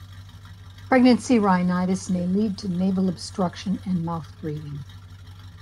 "Pregnancy rhinitis" may lead to nasal obstruction and mouth breathing.